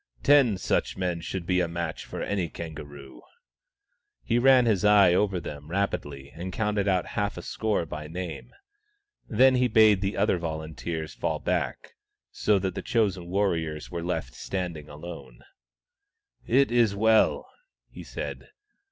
Ten such men should be a match for any kangaroo," He ran his eye over them rapidly and counted out half a score by name. Then he bade the other volunteers fall back, so that the chosen warriors were left standing alone. "It is well," he said.